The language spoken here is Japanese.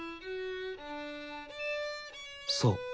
そう。